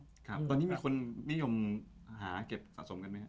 ตอนนี้มีคนนิยมหาเก็บสะสมกันไหมครับ